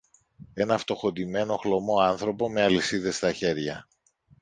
ένα φτωχοντυμένο χλωμό άνθρωπο με αλυσίδες στα χέρια.